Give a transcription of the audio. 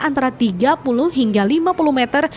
antara tiga puluh hingga lima puluh meter